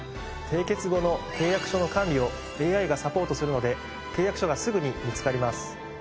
締結後の契約書の管理をＡＩがサポートするので契約書がすぐに見つかります。